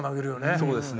そうですね。